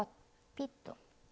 ピッと。